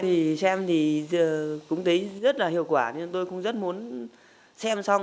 thì xem thì cũng thấy rất là hiệu quả nhưng tôi cũng rất muốn xem xong